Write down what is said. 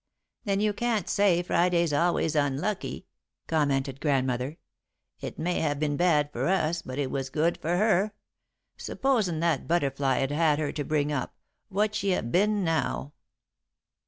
"Then you can't say Friday's always unlucky," commented Grandmother. "It may have been bad for us but it was good for her. Supposin' that butterfly had had her to bring up what'd she have been by now?"